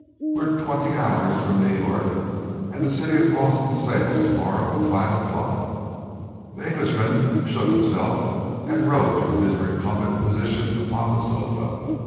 We're twenty hours from New York, and the City of Boston sails to morrow at five o'clock." The Englishman shook himself and rose from his recumbent position upon the sofa.